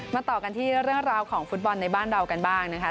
ต่อกันที่เรื่องราวของฟุตบอลในบ้านเรากันบ้างนะคะ